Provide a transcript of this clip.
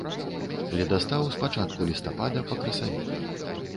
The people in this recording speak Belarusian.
Ледастаў з пачатку лістапада па красавік.